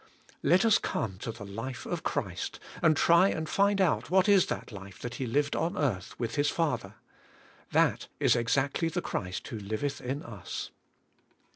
Let us come to the life of Christ, and try and find out what is that life that He lived on earth, with His Father. That is exactly the Christ who liveth in us.